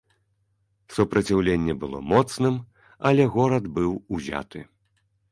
Супраціўленне было моцным, але горад быў узяты.